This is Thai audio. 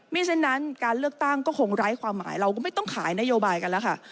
ฉะนั้นการเลือกตั้งก็คงไร้ความหมายเราก็ไม่ต้องขายนโยบายกันแล้วค่ะ